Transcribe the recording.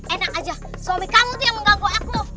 enak aja suami kamu itu yang mengganggu aku